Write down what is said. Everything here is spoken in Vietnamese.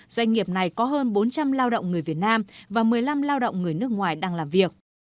doanh nghiệp này có hơn bốn trăm linh lao động người việt nam và một mươi năm lao động người nước ngoài đang làm việc